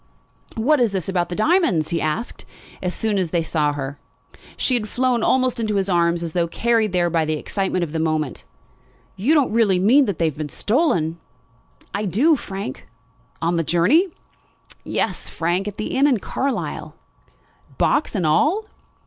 "What is this about the diamonds?" he asked as soon as he saw her. She had flown almost into his arms as though carried there by the excitement of the moment. "You don't really mean that they have been stolen?" "I do, Frank." "On the journey?" "Yes, Frank; at the inn at Carlisle." "Box and all?"